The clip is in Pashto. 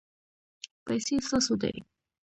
پیسې ستاسو دي